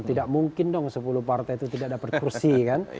tidak mungkin dong sepuluh partai itu tidak dapat kursi kan